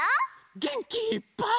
げんきいっぱい。